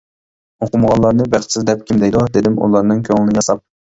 -ئوقۇمىغانلارنى بەختسىز دەپ كىم دەيدۇ؟ -دېدىم ئۇلارنىڭ كۆڭلىنى ياساپ.